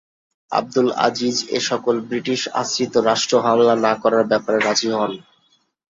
Abdul Aziz এসকল British আশ্রিত রাষ্ট্র হামলা না করার ব্যাপারে রাজি হন।